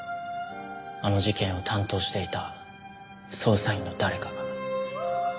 あの事件を担当していた捜査員の誰かが。